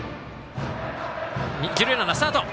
一塁ランナー、スタート。